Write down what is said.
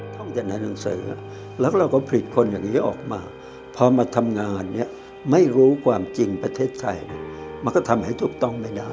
ต้องจะเรียนหนังสือแล้วเราก็ผลิตคนอย่างนี้ออกมาพอมาทำงานเนี่ยไม่รู้ความจริงประเทศไทยมันก็ทำให้ถูกต้องไม่ได้